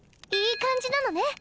いい感じなのね？